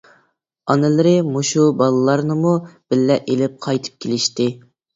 ئانىلىرى مۇشۇ بالىلارنىمۇ بىللە ئېلىپ قايتىپ كېلىشتى.